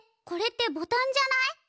これってボタンじゃない？